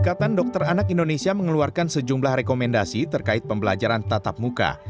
ikatan dokter anak indonesia mengeluarkan sejumlah rekomendasi terkait pembelajaran tatap muka